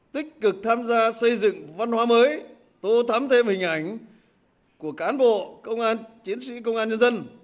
tích cực tham gia xây dựng văn hóa mới tô thắm thêm hình ảnh của cán bộ công an chiến sĩ công an nhân dân